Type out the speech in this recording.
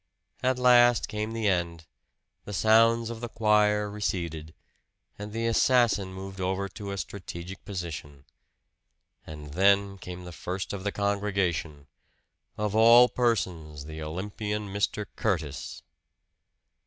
At last came the end; the sounds of the choir receded, and the assassin moved over to a strategic position. And then came the first of the congregation of all persons, the Olympian Mr. Curtis!